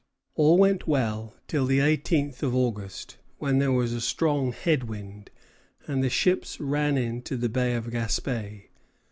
" All went well till the eighteenth of August, when there was a strong head wind, and the ships ran into the Bay of Gaspé.